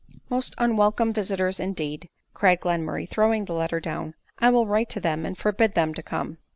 " Most unwelcome visiters, indeed !" cried Glenmur ray, throwing the letter down ;" I will write to them, and forbid them to come."